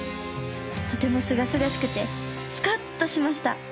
［とてもすがすがしくてスカッとしました］